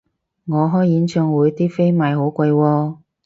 我開演唱會啲飛賣好貴喎